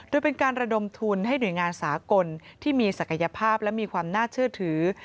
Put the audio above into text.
โดยเป็นการระดมทุนให้หน่วยงานสากลที่มีศักยภาพและมีความน่าเชื่อถือ